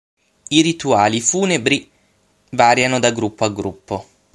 I rituali funebri variano da gruppo a gruppo.